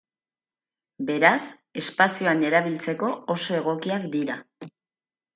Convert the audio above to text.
Beraz, espazioan erabiltzeko oso egokiak dira.